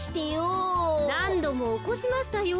なんどもおこしましたよ。